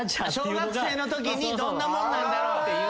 小学生のときにどんなもんなんだろうっていう。